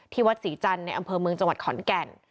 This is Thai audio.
วัดศรีจันทร์ในอำเภอเมืองจังหวัดขอนแก่น